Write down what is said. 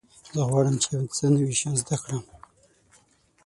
زه غواړم چې یو څه نوي شیان زده کړم.